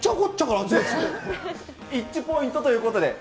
イッチポイントということで。